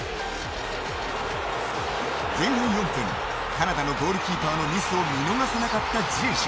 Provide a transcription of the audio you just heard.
前半４分カナダのゴールキーパーのミスを見逃さなかったジエシュ。